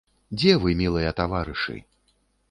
Дзе вы, мілыя таварышы?